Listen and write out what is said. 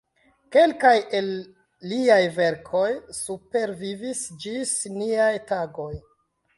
Kelkaj el liaj verkoj supervivis ĝis niaj tagoj.